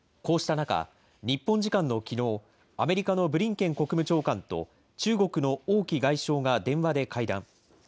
こうした中、日本時間のきのう、アメリカのブリンケン国務長官と中国の王毅外相が電話で会談。